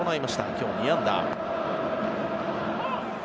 今日、２安打。